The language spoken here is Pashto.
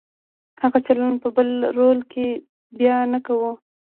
هغه چلند په بل رول کې بیا نه کوو.